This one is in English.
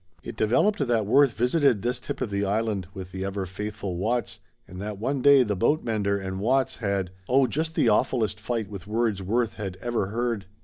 It developed that Worth visited this tip of the Island with the ever faithful Watts, and that one day the boat mender and Watts had oh just the awfulest fight with words Worth had ever heard.